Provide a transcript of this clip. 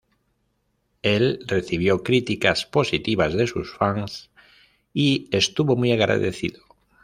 El recibió críticas positivas de sus fans y estuvo muy agradecido.